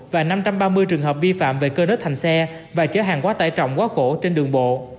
và năm trăm ba mươi trường hợp vi phạm về cơ nớt thành xe và chở hàng quá tải trọng quá khổ trên đường bộ